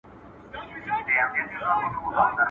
مېړه مړ که، مړانه ئې مه ورکوه.